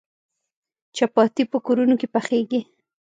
چپاتي په کورونو کې پخیږي.